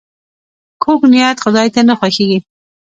کوږ نیت خداي ته نه خوښیږي